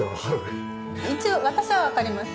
一応私はわかります。